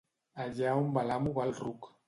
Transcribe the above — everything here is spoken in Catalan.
Allà on va l'amo va el ruc.